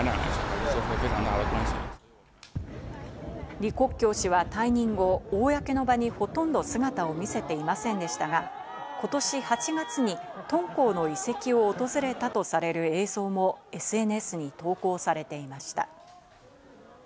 リ・コッキョウ氏は退任後、公の場にほとんど姿を見せていませんでしたがことし８月に敦煌の遺跡を訪れたとされる映像もＳＮＳに投稿されていました。